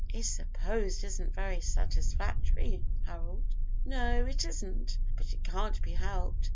"'Is supposed' isn't very satisfactory, Harold." "No, it isn't; but it can't be helped.